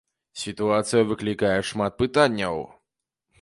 Сітуацыя выклікае шмат пытанняў.